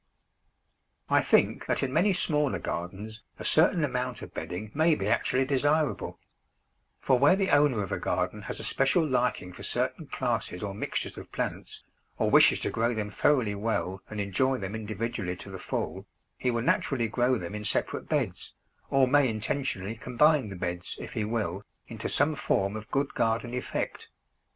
I think that in many smaller gardens a certain amount of bedding may be actually desirable; for where the owner of a garden has a special liking for certain classes or mixtures of plants, or wishes to grow them thoroughly well and enjoy them individually to the full, he will naturally grow them in separate beds, or may intentionally combine the beds, if he will, into some form of good garden effect.